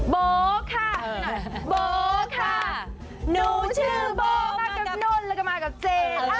โบค่ะโบค่ะหนูชื่อโบมากับนุ่นแล้วก็มากับเจ